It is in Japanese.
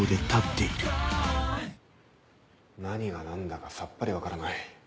何が何だかさっぱり分からない。